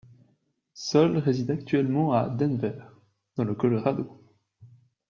Sole réside actuellement à Denver, dans le Colorado.